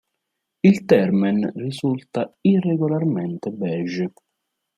Il termen risulta irregolarmente beige.